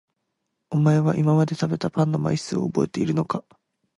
お前は今まで食べたパンの枚数を覚えているのか？